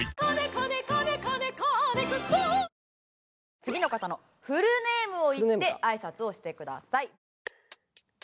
次の方のフルネームを言ってあいさつをしてください。